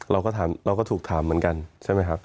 เราก็ถามเราก็ถูกถามเหมือนกันใช่ไหมครับ